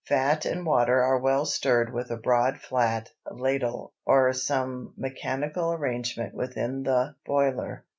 Fat and water are well stirred with a broad flat ladle or some mechanical arrangement within the boiler.